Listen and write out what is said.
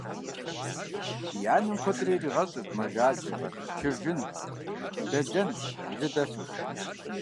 И анэм куэдрэ иригъэщӏырт мэжаджэ, чыржын, дэлэн, лы дэлъу.